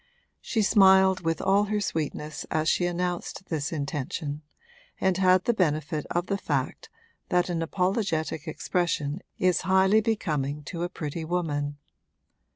She smiled with all her sweetness as she announced this intention, and had the benefit of the fact that an apologetic expression is highly becoming to a pretty woman.